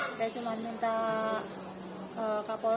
oh belum pasti gitu